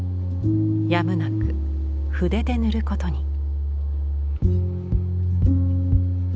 やむなく筆で塗ることに。